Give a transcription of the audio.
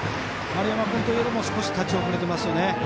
丸山君といえども少し立ち遅れてますね。